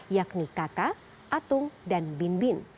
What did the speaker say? yakni kaka atung dan binbin